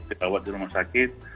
dikawal di rumah sakit